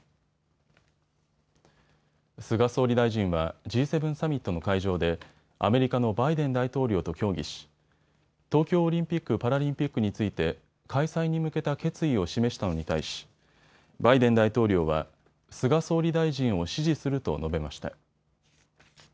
菅総理大臣はＧ７サミットの会場でアメリカのバイデン大統領と協議し、東京オリンピック・パラリンピックについて開催に向けた決意を示したのに対しバイデン大統領は菅総理大臣を支持すると述べました。